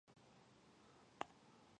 نیکه د خپلو نسلونو لپاره یو قوي بنسټ جوړوي.